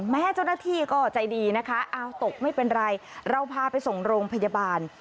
แม้เจ้าหน้าที่ก็ใจดีนะคะอ้าวตกไม่เป็นไรเราพาไปส่งโรงพยาบาล